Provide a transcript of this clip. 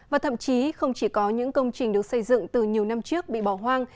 và thậm chí không chỉ có những công trình được xây dựng từ nhiều năm trước bị bỏ hoang